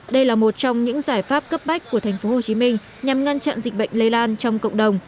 đây là một trong những giải pháp cấp bách của tp hcm nhằm ngăn chặn dịch bệnh lây lan trong cộng đồng